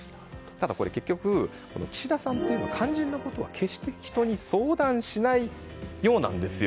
ただこれ結局岸田さんというのは肝心なことは決して人に相談しないようなんですよ。